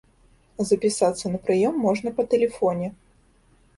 Запісацца на прыём можна па тэлефоне.